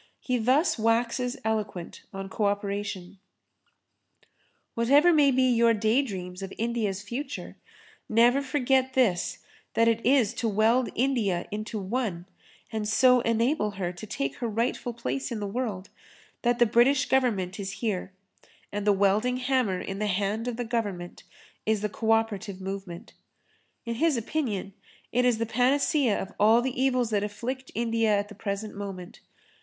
He thus waxes eloquent on co operation: "Whatever may be your daydreams of India's future, never forget this that it is to weld India into one, and so enable her to take her rightful place in the world, that the British Government is here; and the welding hammer in the hand of the Government is the co operative movement." In his opinion it is the panacea of all the evils that afflict India at the present moment.